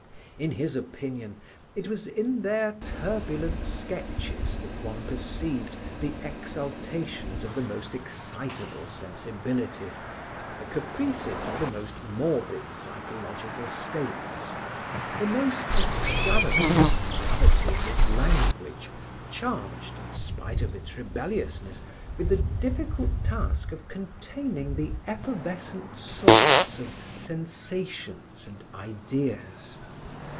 In his opinion, it was in their turbulent sketches that one perceived the exaltations of the most excitable sensibilities, the caprices of the most morbid psychological states, the most extravagant depravities of language charged, in spite of its rebelliousness, with the difficult task of containing the effervescent salts of sensations and ideas.